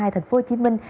thành phố hồ chí minh